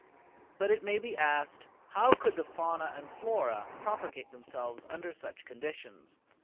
But it may be asked, "How could the fauna and flora propagate themselves under such conditions?"